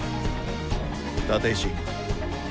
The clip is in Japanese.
立石。